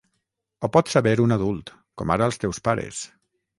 Ho pot saber un adult, com ara els teus pares.